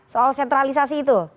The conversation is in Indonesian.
soal sentralisasi itu